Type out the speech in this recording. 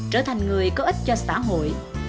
trở thành người có ích cho xã hội